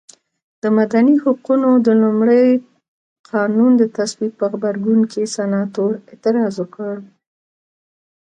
د مدني حقونو د لومړ قانون د تصویب په غبرګون کې سناتور اعتراض وکړ.